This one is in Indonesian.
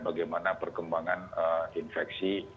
bagaimana perkembangan infeksi